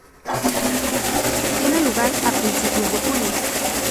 Tiene lugar a principios de junio.